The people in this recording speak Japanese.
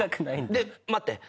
で待って。